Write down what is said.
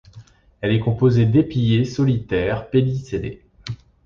Elle est composée d'épillets solitaires pédicellés.